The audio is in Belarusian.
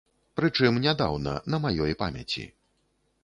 Прычым нядаўна, на маёй памяці.